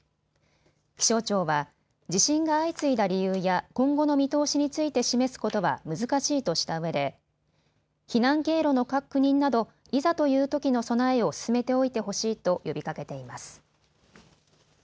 気象庁は、地震が相次いだ理由や今後の見通しについて示すことは難しいとしたうえで避難経路の確認などいざというときの備えを進めておいてほしいと呼びかけています。